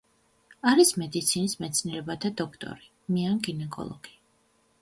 არის მედიცინის მეცნიერებათა დოქტორი, მეან-გინეკოლოგი.